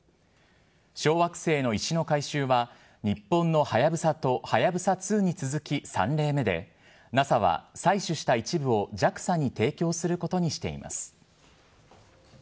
小惑星の石の回収は、日本のはやぶさと、はやぶさ２に続き３例目で、ＮＡＳＡは採取した一部をＪＡＸＡに提供することにしています。